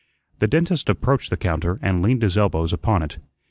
The dentist approached the counter and leaned his elbows upon it.